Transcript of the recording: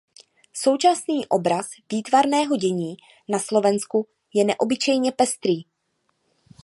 Současný obraz výtvarného dění na Slovensku je neobyčejně pestrý.